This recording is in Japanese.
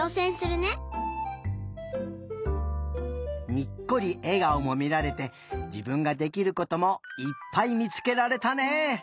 にっこりえがおもみられてじぶんができることもいっぱいみつけられたね。